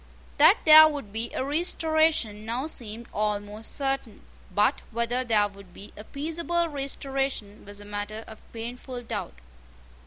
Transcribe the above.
That there would be a restoration now seemed almost certain; but whether there would be a peaceable restoration was matter of painful doubt.